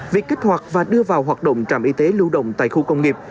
việc kích hoạt và đưa vào hoạt động trạm y tế lưu động tại khu công nghiệp